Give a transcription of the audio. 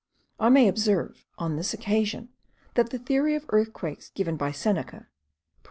I may observe on this occasion, that the theory of earthquakes, given by Seneca, (Nat.